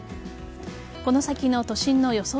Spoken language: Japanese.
この先の都心の予想